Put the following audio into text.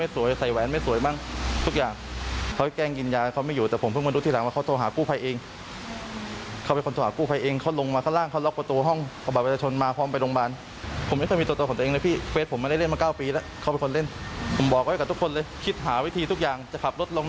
สวยบ้างทุกอย่างเขาแกล้งกินยาเขาไม่อยู่แต่ผมเพิ่งมารู้ทีหลังว่าเขาโทรหาผู้ภัยเองเขาเป็นคนโทรหาผู้ภัยเองเขาลงมาข้างล่างเขาล็อกประตูห้องเอาบัตรวิทยาชนมาพร้อมไปโรงพยาบาลผมไม่เคยมีตัวตัวของตัวเองเลยพี่เฟซผมไม่ได้เล่นมา๙ปีแล้วเขาเป็นคนเล่นผมบอกไว้กับทุกคนเลยคิดหาวิธีทุกอย่างจะขับรถ